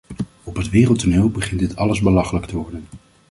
Op het wereldtoneel begint dit alles belachelijk te worden.